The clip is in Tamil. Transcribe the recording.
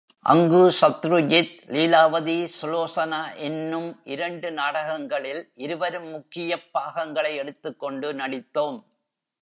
அங்கு சத்ருஜித், லீலாவதி சுலோசனா என்னும் இரண்டு நாடகங்களில் இருவரும் முக்கியப் பாகங்களை எடுத்துக்கொண்டு நடித்தோம்.